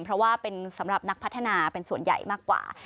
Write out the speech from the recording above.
เพราะว่าเป็นสำหรับนักพัฒนาเป็นส่วนใหญ่มากกว่า